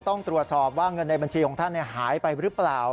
ต้องตรวจสอบว่าเงินในบัญชีของท่านหายไปหรือเปล่า